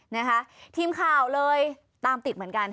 นะคะทีมข่าวเลยตามติดเหมือนกัน